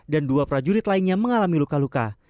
dan dua prajurit lainnya mengalami luka luka